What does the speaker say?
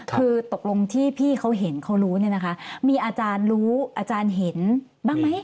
คือตกลงที่พี่เขาเห็นเขารู้เนี่ยนะคะมีอาจารย์รู้อาจารย์เห็นบ้างไหม